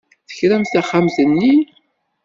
Tekram taxxamt-nni?